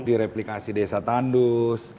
direplikasi desa tandus